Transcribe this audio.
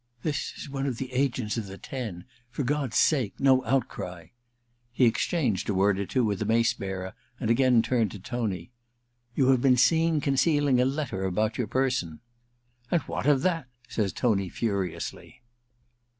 *This is one of the agents of the Ten. — For God's take, no outcry/ He exchanged a word or two with the mace bearer and again turned to Tony, * You have been seen concealing a letter about your person And what of that ?* says Tony furiously.